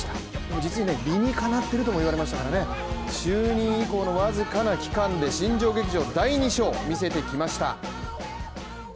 実に、理にかなっているとも言われましたからね就任以降のわずかな期間で新庄劇場第２章見せてきました。